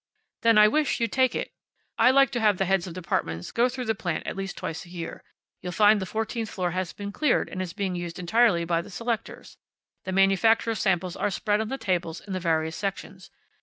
"Then I wish you'd take it. I like to have the heads of departments go through the plant at least twice a year. You'll find the fourteenth floor has been cleared and is being used entirely by the selectors. The manufacturers' samples are spread on the tables in the various sections.